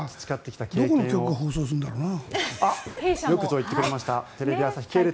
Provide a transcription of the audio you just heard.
どこの局が放送するんだろうな？